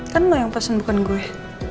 kan mau yang pesen bukan gue